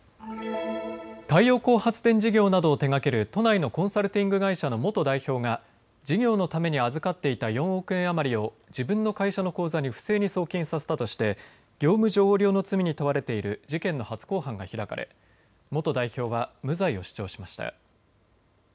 太陽光発電事業などを手がける都内のコンサルティング会社の元代表が事業のために預かっていた４億円余りを自分の会社の口座に不正に送金させたとして業務上横領の罪に問われている事件の初公判が開かれ元代表は無罪を主張しました。